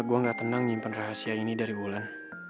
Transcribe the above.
karena gue gak tenang nyimpen rahasia ini dari ulan